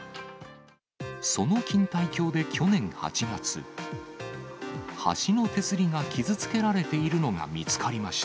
その錦帯橋で去年８月、橋の手すりが傷つけられているのが見つかりました。